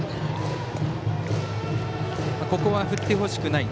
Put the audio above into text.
ここは振ってほしくない。